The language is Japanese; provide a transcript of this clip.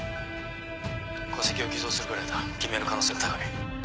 戸籍を偽造するぐらいだ偽名の可能性が高い。